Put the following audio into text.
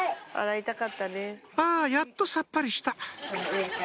「あやっとさっぱりした」